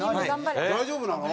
大丈夫なの？